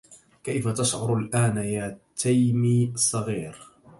كيف تشعر الآن يا تيمي الصغير؟